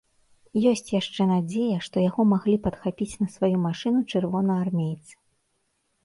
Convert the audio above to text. Ёсць яшчэ надзея, што яго маглі падхапіць на сваю машыну чырвонаармейцы.